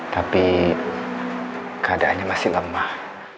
tapi keadaannya masih lemah